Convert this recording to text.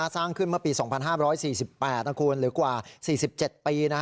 สร้างขึ้นเมื่อปี๒๕๔๘นะครับคุณหรือกว่า๔๗ปี